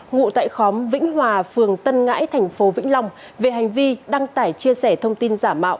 ngụ tại khóm vĩnh hòa phường tân ngãi thành phố vĩnh long về hành vi đăng tải chia sẻ thông tin giả mạo